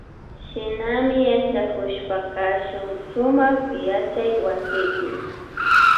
Shinami yachakushpa kashun sumak yachaywasipi